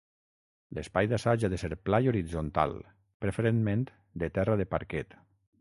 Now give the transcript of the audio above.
L'espai d'assaig ha de ser pla i horitzontal, preferentment de terra de parquet.